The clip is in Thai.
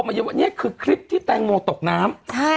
พอออกมาพี่เต้เนี่ยคือคลิปที่แตงโมตกน้ำใช่